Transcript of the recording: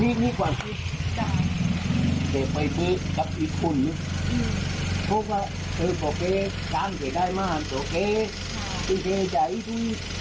อุ้งหลอมพิวเม้าสิ้นที่ก๊อนแถวตอนนี้